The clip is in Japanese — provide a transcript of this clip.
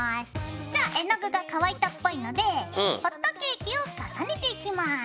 じゃあ絵の具が乾いたっぽいのでホットケーキを重ねていきます。